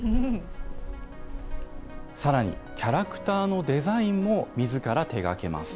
さらに、キャラクターのデザインもみずから手がけます。